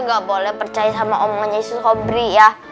nggak boleh percaya sama omongnya yusuf hobri ya